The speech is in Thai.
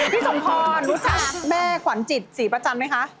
พี่สมพรณรู้จักแม่ขวัญจิต๔ประจำไหมคะ